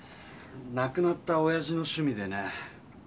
なくなったおやじのしゅみでね。